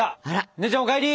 姉ちゃんお帰り！